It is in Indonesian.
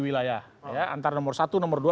wilayah ya antara nomor satu nomor dua